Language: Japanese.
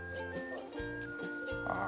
ああ！